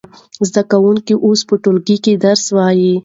زده کوونکي اوس په ټولګي کې درس وايي.